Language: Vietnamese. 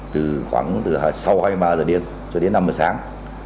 từ khoảng sau hai mươi ba h đêm cho đến năm h sáng